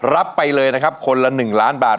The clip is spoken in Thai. รับไปเลยคนละ๑ล้านบาท